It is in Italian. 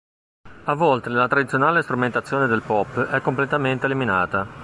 A volte la tradizionale strumentazione del pop è completamente eliminata.